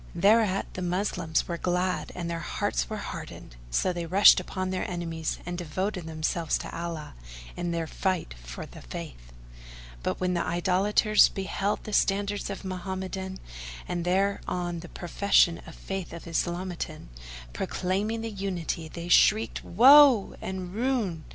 Thereat the Moslems were glad and their hearts were heartened; so they rushed upon their enemies and devoted themselves to Allah in their Fight for the Faith. But when the Idolaters beheld the standards Mohammedan and there on the profession of Faith Islamitan, proclaiming the Unity, they shrieked "Woe!" and "Ruin!"